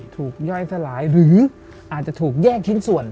ย่อยสลายหรืออาจจะถูกแยกชิ้นส่วน